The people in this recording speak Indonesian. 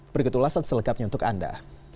berikut ulasan selengkapnya untuk anda